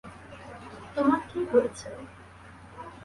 তোমার কী হয়েছে?